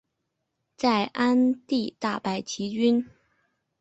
在鞍地大败齐军。